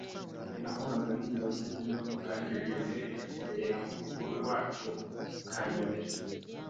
nahoraga nibaza niba papa yarigeze kugera mu rugo rwacu bikanyobera